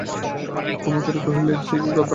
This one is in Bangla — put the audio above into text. ক্ষেমংকরী কহিলেন, সে কী কথা!